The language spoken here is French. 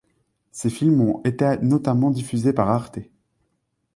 Ces films ont été notamment diffusés par Arte.